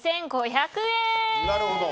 ２５００円。